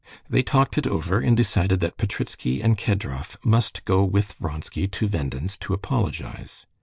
They talked it over, and decided that Petritsky and Kedrov must go with Vronsky to Venden's to apologize.